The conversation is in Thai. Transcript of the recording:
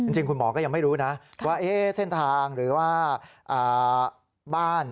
จริงคุณหมอก็ยังไม่รู้นะว่าเส้นทางหรือว่าบ้าน